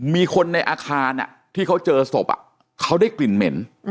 มีคนในอาคารที่เขาเจอศพเขาได้กลิ่นเหม็น